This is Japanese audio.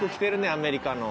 アメリカの。